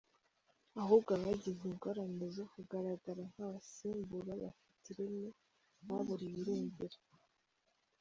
Ahubwo abagize ingorane zo kugaragara nk’abasimbura bafite ireme, baburiwe irengero !